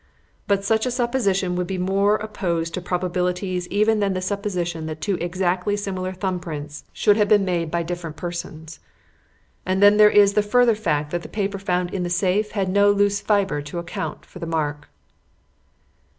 But such a supposition would be more opposed to probabilities even than the supposition that two exactly similar thumb prints should have been made by different persons. And then there is the further fact that the paper found in the safe had no loose fibre to account for the mark."